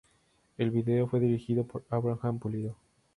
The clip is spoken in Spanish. El vídeo fue dirigido por Abraham Pulido.